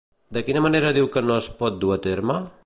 De quina manera diu que no es pot dur a terme?